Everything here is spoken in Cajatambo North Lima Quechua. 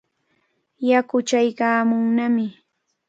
Yaku chaykaamunnami.